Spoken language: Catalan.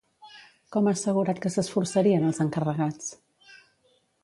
Com ha assegurat que s'esforçarien els encarregats?